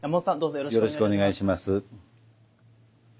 よろしくお願いします。